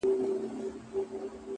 خو اوس د اوښكو سپين ځنځير پر مخ گنډلی ـ